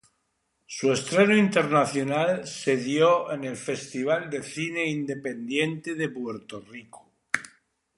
Su estreno internacional se dio en el Festival de Cine Independiente de Puerto Rico.